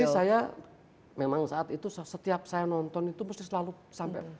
jadi saya memang saat itu setiap saya nonton itu pasti selalu sampai